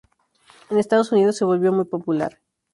En Estados Unidos se volvió muy popular.